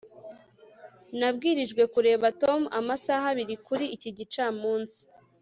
nabwirijwe kureba tom amasaha abiri kuri iki gicamunsi